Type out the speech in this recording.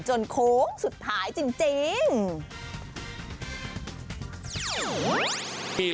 โค้งสุดท้ายจริง